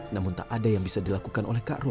namun tak ada yang bisa dilakukan oleh kak ros